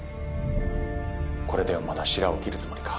これでもまだしらを切るつもりか。